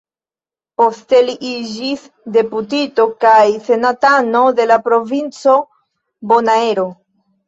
Poste li iĝis deputito kaj senatano de la provinco Bonaero.